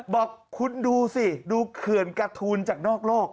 บอกคุณดูสิดูเขื่อนการ์ทูลจากนอกโลก